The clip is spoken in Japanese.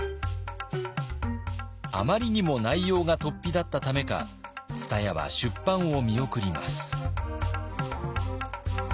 あまりにも内容がとっぴだったためか蔦屋は出版を見送ります。